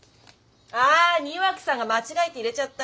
あ庭木さんが間違えて入れちゃったんだ。